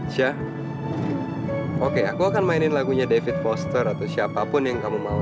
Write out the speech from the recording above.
syah oke aku akan mainin lagunya david foster atau siapapun yang kamu mau